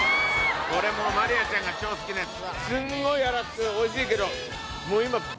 これもうまりあちゃんが超好きなやつ。